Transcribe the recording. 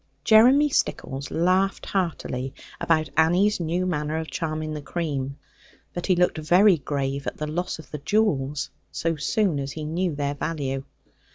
Jeremy Stickles laughed heartily about Annie's new manner of charming the cream; but he looked very grave at the loss of the jewels, so soon as he knew their value.